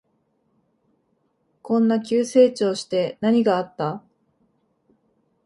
こんな急成長して何があった？